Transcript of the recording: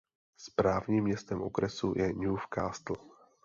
Správním městem okresu je Newcastle.